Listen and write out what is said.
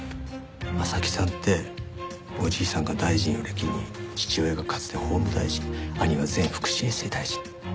正木さんっておじいさんが大臣を歴任父親がかつて法務大臣兄は前福祉衛生大臣。